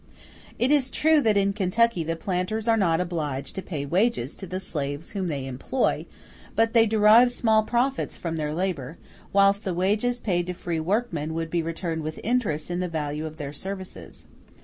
It is true that in Kentucky the planters are not obliged to pay wages to the slaves whom they employ; but they derive small profits from their labor, whilst the wages paid to free workmen would be returned with interest in the value of their services.